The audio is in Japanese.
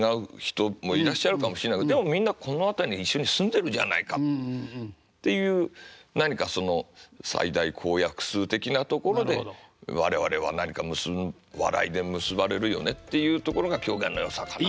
でもみんなこの辺りに一緒に住んでるじゃないかっていう何かその最大公約数的なところで我々は何か笑いで結ばれるよねっていうところが狂言のよさかなって。